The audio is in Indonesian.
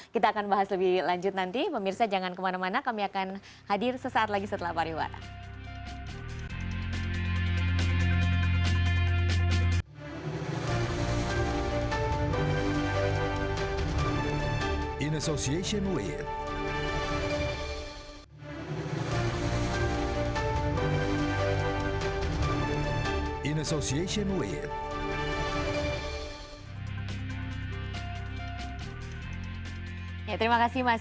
kita akan bahas lebih lanjut nanti pemirsa jangan kemana mana kami akan hadir sesaat lagi setelah pariwara